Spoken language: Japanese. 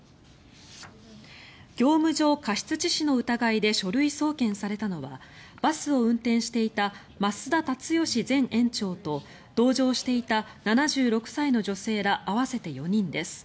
業務上過失致死の疑いで書類送検されたのはバスを運転していた増田立義前園長と同乗していた７６歳の女性ら合わせて４人です。